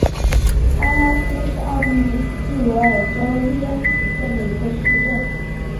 安拉斯是奥地利蒂罗尔州利恩茨县的一个市镇。